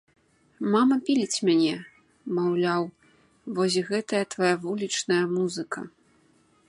Мама піліць мяне, маўляў, вось, гэтая твая вулічная музыка.